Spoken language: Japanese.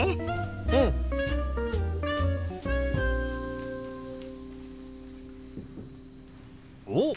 うん！おっ！